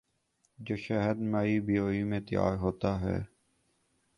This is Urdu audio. جو شہد مری بروری میں تیار ہوتا ہے۔